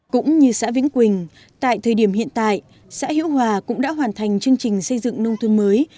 cũng như xã vĩnh quỳnh tại thời điểm hiện tại xã hiễu hòa cũng đã hoàn thành chương trình xây dựng nông thôn mới